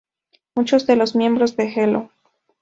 Muchos de los miembros del Hello!